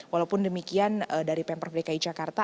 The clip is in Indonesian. walaupun demikian dari pemprov dki jakarta